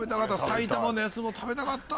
埼玉のやつも食べたかった。